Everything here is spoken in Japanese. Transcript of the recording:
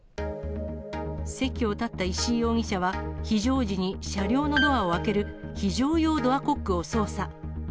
席を立った石井容疑者は、非常時に車両のドアを開ける非常用ドアコックを操作。